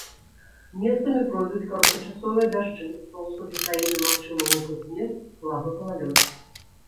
Месцамі пройдуць кароткачасовыя дажджы, па ўсходзе краіны магчымы мокры снег, слабы галалёд.